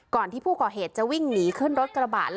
ที่ผู้ก่อเหตุจะวิ่งหนีขึ้นรถกระบะ